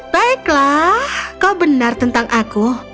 baiklah kau benar tentang aku